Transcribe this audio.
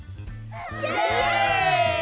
イエイ！